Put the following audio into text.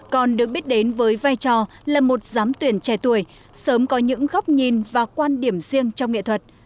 còn được biết đến với vai trò là một giám tuyển trẻ tuổi sớm có những góc nhìn và quan điểm riêng trong nghệ thuật